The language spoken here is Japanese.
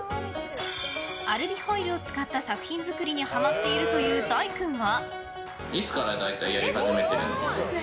アルミホイルを使った作品作りにハマっているという、大唯君は。